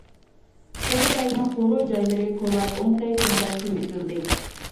سوپى بەگنىڭ قورۇ-جايلىرى كولاپ ئوڭتەي-توڭتەي قىلىۋېتىلدى.